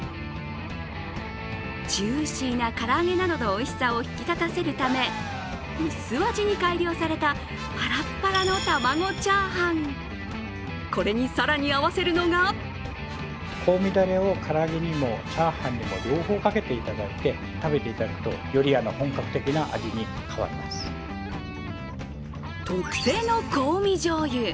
ジューシーなからあげなどのおいしさを引き立たせるため、薄味に改良されたぱらぱらの玉子チャーハン、これに更に合わせるのが特製の香味じょうゆ。